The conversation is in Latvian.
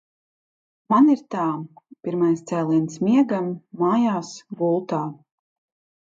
Man ir tā – pirmais cēliens miegam mājās gultā.